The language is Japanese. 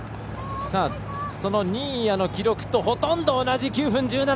新谷の記録とほとんど同じ９分１７。